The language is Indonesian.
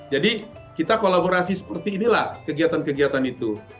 jadi kita kolaborasi seperti inilah kegiatan kegiatan itu